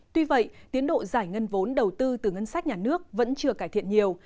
tuy vậy tiến độ giải ngân vốn đầu tư từ ngân sách nhà nước vẫn chưa cải thiện nhiều